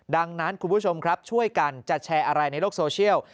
ดังนั้นคุณผู้ชมครับช่วยกันจะแชร์อะไรในโลกโซเชียล